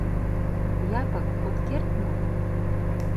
— Япык, от керт мо?